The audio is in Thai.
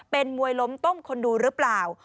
เป็นมวยล้มต้มคนดูหรือเปล่า